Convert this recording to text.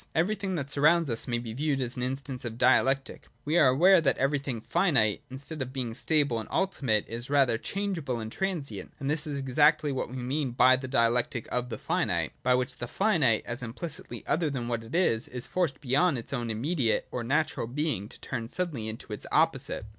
Everything that _ surrounds us may be viewed as an instance of Dialectic. We are aware that everything finite, instead of being stable and ultimate, is rather changeable and transient ; and this is exactly what we mean by that Dialectic of the finite, by which the finite, as implicitly other than what it is, is forced beyond its own im mediate or natural being to turn suddenly into its opposite.